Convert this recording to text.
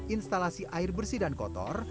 instalasi air bersih dan kotor